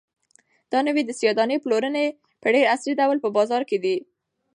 دا نوی د سیاه دانې پلورنځی په ډېر عصري ډول په بازار کې دی.